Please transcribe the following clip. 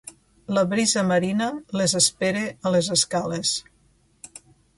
La brisa marina les espera a les escales.